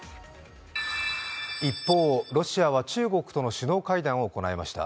一方、ロシアは中国との首脳会談を行いました。